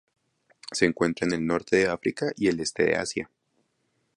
Se encuentra en el norte de África y el este de Asia.